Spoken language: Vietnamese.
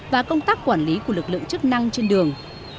và công tác quản lý của lực lượng chức năng trên đường